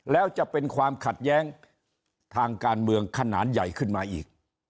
แล้วจะเป็นความขัดแย้งทางการเมืองขนาดใหญ่ขึ้นมาอีก